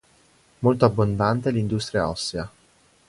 Molto abbondante è l'industria ossea.